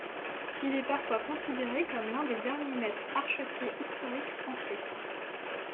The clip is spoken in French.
Il est parfois considéré comme l'un des derniers maîtres archetiers historiques français.